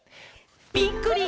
「ぴっくり！